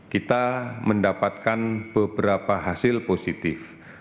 kita mendapatkan beberapa hasil positif